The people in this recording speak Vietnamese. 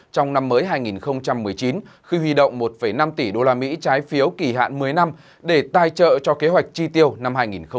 trong năm mới hai nghìn một mươi chín khi huy động một năm tỷ usd trái phiếu kỳ hạn một mươi năm để tài trợ cho kế hoạch chi tiêu năm hai nghìn hai mươi